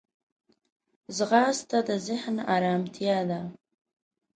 ځغاسته د ذهن ارمتیا ده